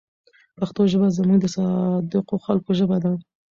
پښتو ژبه زموږ د صادقو خلکو ژبه ده.